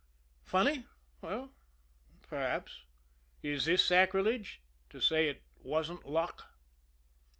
Funny? Well, perhaps. Is this sacrilege to say it wasn't luck?